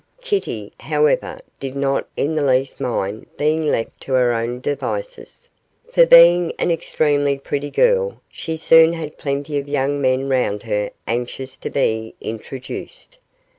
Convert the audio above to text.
Kitty, however, did not in the least mind being left to her own devices, for being an extremely pretty girl she soon had plenty of young men round her anxious to be introduced.